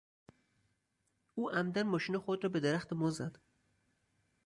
او عمدا ماشین خود را به درخت ما زد.